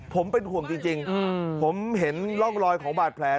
ผมเป็นห่วงจริงผมเห็นร่องรอยของบาดแผล